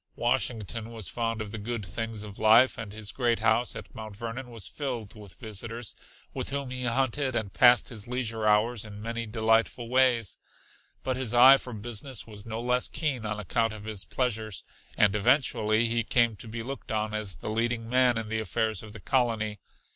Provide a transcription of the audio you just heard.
Washington was fond of the good things of life, and his great house at Mount Vernon was filled with visitors, with whom he hunted and passed his leisure hours in many delightful ways. But his eye for business was no less keen on account of his pleasures, and eventually he came to be looked on as the leading man in the affairs of the colony.